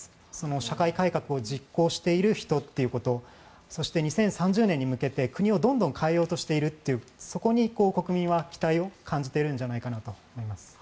社会改革を実行している人ということそして、２０３０年に向けて国をどんどんと変えようとしているというそこに国民は期待を感じているんじゃないかと思います。